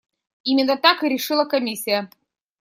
Именно так и решила комиссия.